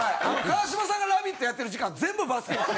川島さんが『ラヴィット！』やってる時間全部バスケに費やす。